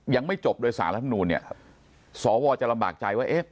ยังไม่จบโดยสารแล้วทั้งนู้นเนี่ยครับสจะลำบากใจว่าเอ๊ะ